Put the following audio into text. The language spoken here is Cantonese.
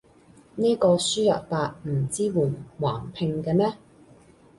呢個輸入法唔支援橫屏嘅咩？